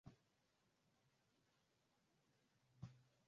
mikutano ya kamati ya benki hiyo inafanyika kila baada ya miezi miwili